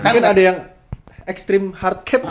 kan ada yang extreme hard cap